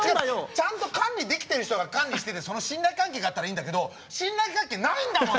ちゃんと管理できてる人が管理しててその信頼関係があったらいいんだけど信頼関係ないんだもん！